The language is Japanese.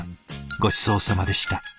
ごちそうさまでした。